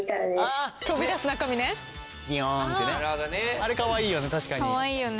あれかわいいよね